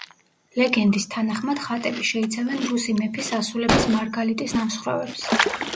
ლეგენდის თანახმად ხატები შეიცავენ რუსი მეფის ასულების მარგალიტის ნამსხვრევებს.